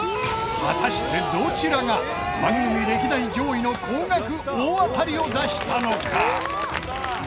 果たしてどちらが番組歴代上位の高額大当たりを出したのか？